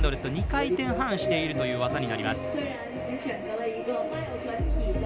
２回転半しているという技になります。